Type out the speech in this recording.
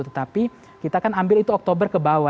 tetapi kita kan ambil itu oktober kebaru